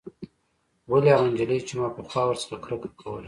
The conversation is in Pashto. ولې هغه نجلۍ چې ما پخوا ورڅخه کرکه کوله.